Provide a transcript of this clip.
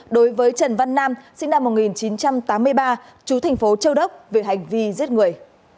đối với trần văn nam sinh năm một nghìn chín trăm tám mươi ba chú thành phố châu đốc về hành vi giết người